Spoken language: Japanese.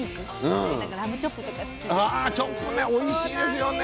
あチョップねおいしいですよね。